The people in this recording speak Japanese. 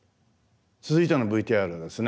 続いてのＶＴＲはですね